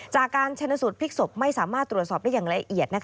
จากการชนสูตรพลิกศพไม่สามารถตรวจสอบได้อย่างละเอียด